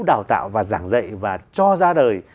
đào tạo và giảng dạy và cho ra đời